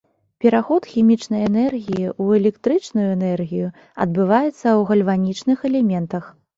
Пераход хімічнай энергіі ў электрычную энергію адбываецца ў гальванічных элементах.